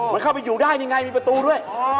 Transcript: มันเข้าไปอยู่ได้นี่ไงมีประตูด้วย